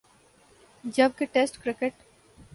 جب کہ test cricket